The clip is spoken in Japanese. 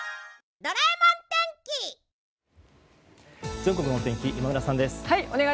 全国の天気今村さんです。